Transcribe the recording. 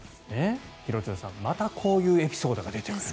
廣津留さん、またこういうエピソードが出てくる。